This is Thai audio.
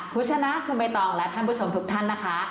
คุณชนะคุณใบตองและท่านผู้ชมทุกท่านนะคะ